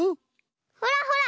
ほらほら！